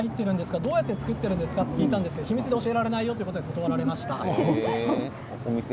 どうやって作っているんですか？と聞いたんですが秘密で教えられないと言われました。